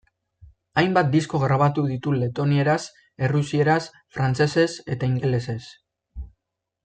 Hainbat disko grabatu ditu letonieraz, errusieraz, frantsesez eta ingelesez.